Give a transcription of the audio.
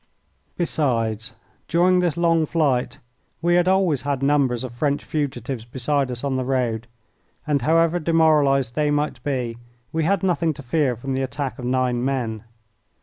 Besides, during this long flight we had always had numbers of French fugitives beside us on the road, and, however demoralised they might be, we had nothing to fear from the attack of nine men.